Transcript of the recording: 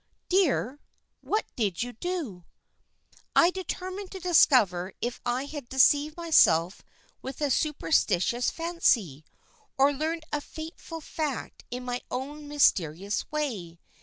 "Dear, what did you do?" "I determined to discover if I had deceived myself with a superstitious fancy, or learned a fateful fact in my own mysterious way.